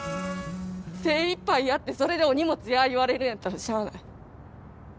精いっぱいやってそれで「お荷物や」言われるんやったらしゃない。